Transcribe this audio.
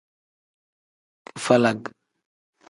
Kifalag.